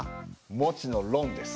もちのろんです。